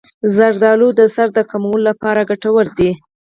زردآلو د سر درد کمولو لپاره ګټور دي.